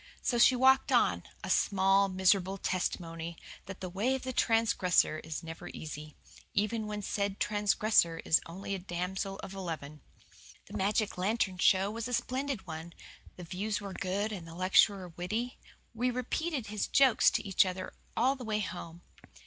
So she walked on, a small, miserable testimony that the way of the transgressor is never easy, even when said transgressor is only a damsel of eleven. The magic lantern show was a splendid one. The views were good and the lecturer witty. We repeated his jokes to each other all the way home.